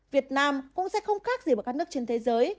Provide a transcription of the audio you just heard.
việt nam cũng sẽ không khác gì ở các nước trên thế giới